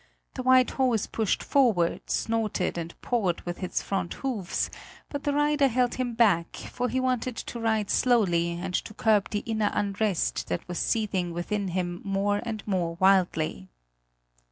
The white horse pushed forward, snorted and pawed with its front hoofs; but the rider held him back, for he wanted to ride slowly, and to curb the inner unrest that was seething within him more and more wildly.